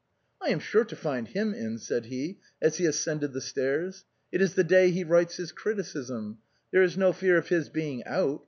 " I am sure to find him in," said he, as he ascended the stairs ;" it is the day he writes his criticism — there is no fear of his being out.